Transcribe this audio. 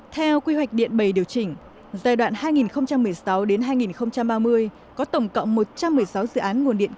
theo quy hoạch điện bày điều chỉnh giai đoạn hai nghìn một mươi sáu hai nghìn ba mươi có tổng cộng một trăm một mươi sáu dự án nguồn điện